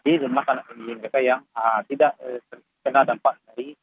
di rumah karena penyuluh mereka yang tidak terkena dampak dari